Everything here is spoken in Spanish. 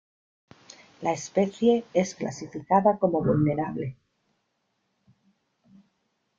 La especie es clasificada como vulnerable.